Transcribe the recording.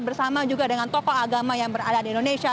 bersama juga dengan tokoh agama yang berada di indonesia